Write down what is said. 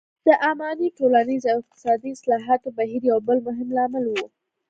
د اماني ټولنیز او اقتصادي اصلاحاتو بهیر یو بل مهم لامل و.